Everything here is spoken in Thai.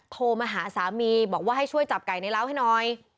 โทรมาหาสามีบอกว่าให้ช่วยจับไก่ในร้าวให้หน่อย